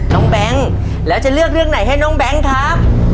แบงค์แล้วจะเลือกเรื่องไหนให้น้องแบงค์ครับ